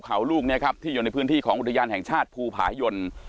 เขาลูกนี้ครับที่อยู่ในพื้นที่ของอุทยานแห่งชาติภูผายน